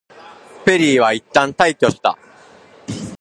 ペリーはいったん退去した。